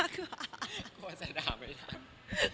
กลัวใส่ด่าไม่ทัน